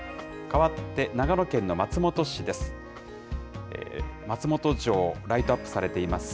かわって長野県の松本市です。